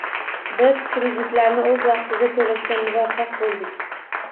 Biz kreditlarni o'z vaqtida to'lashga muvaffaq bo'ldik